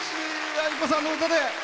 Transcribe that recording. ａｉｋｏさんの歌で。